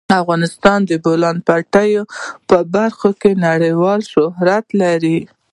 افغانستان د د بولان پټي په برخه کې نړیوال شهرت لري.